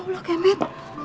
ya allah kemet